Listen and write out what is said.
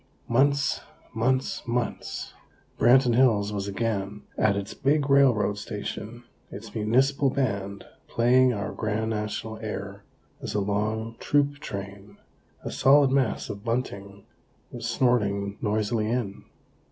Months, months, months! Branton Hills was again at its big railroad station, its Municipal Band playing our grand National air, as a long troop train, a solid mass of bunting, was snorting noisily in.